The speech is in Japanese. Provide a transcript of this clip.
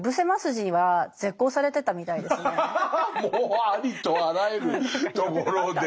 もうありとあらゆるところで。